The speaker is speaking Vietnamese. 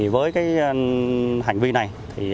với hành vi này